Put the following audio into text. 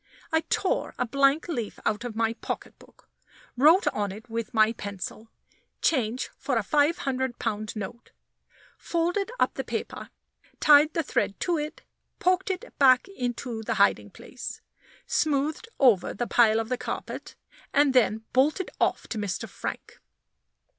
I tore a blank leaf out of my pocketbook, wrote on it with my pencil, "Change for a five hundred pound note," folded up the paper, tied the thread to it, poked it back into the hiding place, smoothed over the pile of the carpet, and then bolted off to Mr. Frank.